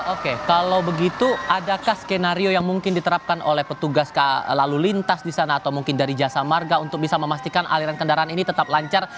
oke kalau begitu adakah skenario yang mungkin diterapkan oleh petugas lalu lintas di sana atau mungkin dari jasa marga untuk bisa memastikan aliran kendaraan ini tetap lancar